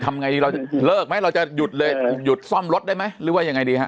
ทำไงดีเราจะเลิกไหมเราจะหยุดเลยหยุดซ่อมรถได้ไหมหรือว่ายังไงดีฮะ